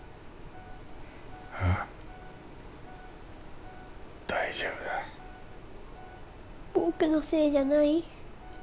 ああ大丈夫だ僕のせいじゃない？